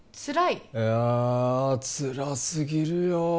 いやあつらすぎるよ